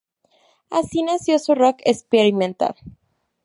Así nació su "Rock Experimental".